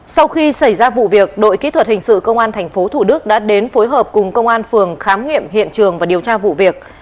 sau khi xảy ra vụ việc đội kỹ thuật hình sự công an tp thủ đức đã đến phối hợp cùng công an phường khám nghiệm hiện trường và điều tra vụ việc